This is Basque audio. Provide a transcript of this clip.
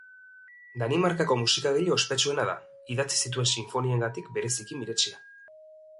Danimarkako musikagile ospetsuena da, idatzi zituen sinfoniengatik bereziki miretsia.